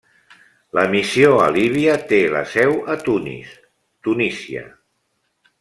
La missió a Líbia té la seu a Tunis, Tunísia.